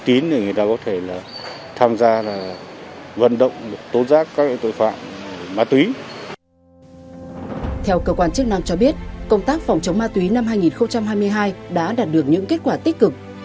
theo cơ quan chức năng cho biết công tác phòng chống ma túy năm hai nghìn hai mươi hai đã đạt được những kết quả tích cực